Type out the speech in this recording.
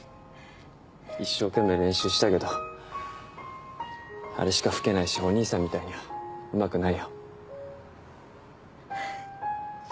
一生懸命練習したけどあれしか吹けないしお兄さんみたいにはうまくないよ。